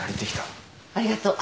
ありがとう。